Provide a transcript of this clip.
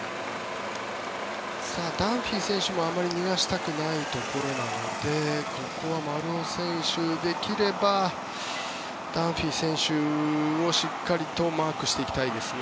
ダンフィー選手も、あまり逃がしたくないところなのでここは丸尾選手はできればダンフィー選手をしっかりとマークしていきたいですね。